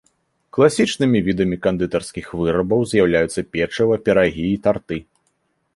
Класічнымі відамі кандытарскіх вырабаў з'яўляюцца печыва, пірагі і тарты.